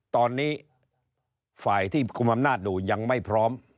ตอนนี้ฝ่ายที่คุมอำนาจดูยังไม่พร้อม